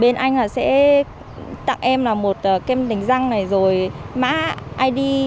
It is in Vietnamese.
bên anh sẽ tặng em kem đánh răng má id